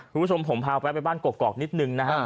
คุณผู้ชมผมพาแวะไปบ้านกอกนิดนึงนะฮะ